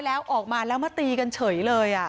แล้วออกมาแล้วมาตีกันเฉยเลย